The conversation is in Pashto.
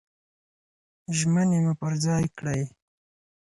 ژمني مو پر ځای کړئ.